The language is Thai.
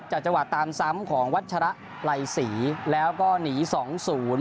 จังหวะตามซ้ำของวัชระไรศรีแล้วก็หนีสองศูนย์